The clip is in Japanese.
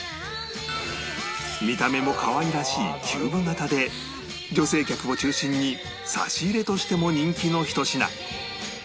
見た目もかわいらしいキューブ形で女性客を中心に差し入れとしても人気のひと品